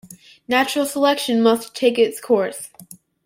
Natural selection must take its course.